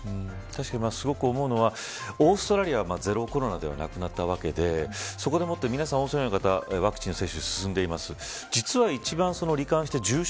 確かに、すごく思うのはオーストラリアはゼロコロナではなくなったわけでそこでもって、皆さんオーストラリアの方ワクチン接種が進んでいます。